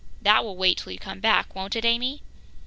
That will wait till you come back, won't it, Amy?"